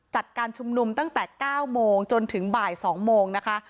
จัดการชุมนุมตั้งแต่๙โมงจนถึงบ่าย๒โมงนะคะ